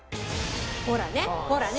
ほらねほらね。